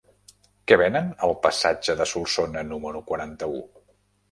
Què venen al passatge de Solsona número quaranta-u?